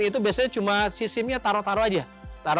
dan itu biasanya cuma sistemnya taruh taruh aja